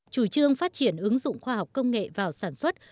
chủ trương phát triển ứng dụng khoa học công nghệ vào sản xuất